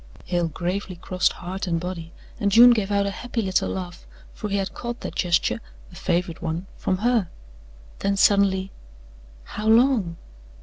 Hale gravely crossed heart and body and June gave out a happy little laugh for he had caught that gesture a favourite one from her. Then suddenly: "How long?"